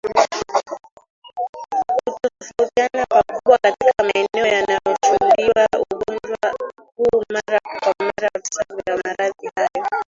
Hutofautiana pakubwa katika maeneo yanayoshuhudiwa ugonjwa huu mara kwa mara visa vya maradhi hayo